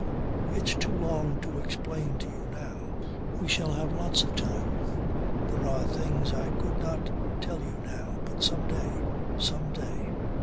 "It's too long to explain to you now. We shall have lots of time. There are things I could not tell you now. But some day. Some day.